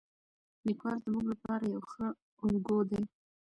لیکوال زموږ لپاره یو ښه الګو دی.